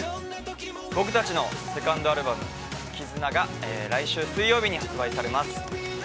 ◆僕たちのセカンドアルバム「ＫＩＺＵＮＡ」が来週水曜日に発売されます。